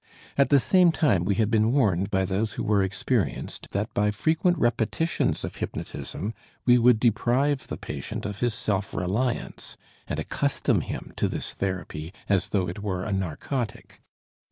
At the same time we had been warned by those who were experienced that by frequent repetitions of hypnotism we would deprive the patient of his self reliance and accustom him to this therapy as though it were a narcotic.